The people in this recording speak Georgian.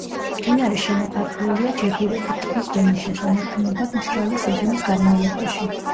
მდინარე შემოფარგლულია ჯებირებით ტბის დონის შესანარჩუნებლად მშრალი სეზონის განმავლობაში.